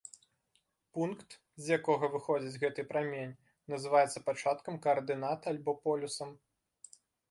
Пункт, з якога выходзіць гэты прамень, называецца пачаткам каардынат альбо полюсам.